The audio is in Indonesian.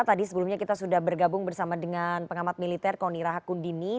tadi sebelumnya kita sudah bergabung bersama dengan pengamat militer koni rahakundini